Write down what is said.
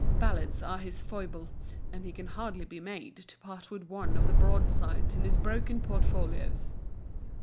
Ballads are his foible, and he can hardly be made to part with one of the broadsides in his broken portfolios.